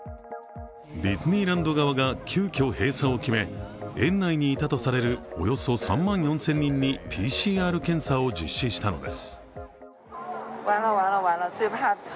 ディズニーランド側が急きょ閉鎖を決め、園内にいたとされるおよそ３万４０００人にＰＣＲ検査を実施したのです。